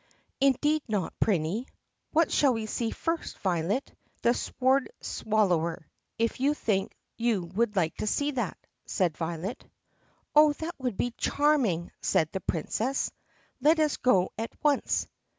"Indeed not, Prinny." "What shall we see first, Violet?" "The sword swallower, if you think you would like that," said Violet. "Oh, that would be charming!" said the Princess. "Let us go at once."